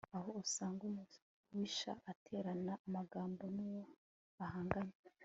aho usanga umubisha aterana amagambo n'uwo bahanganye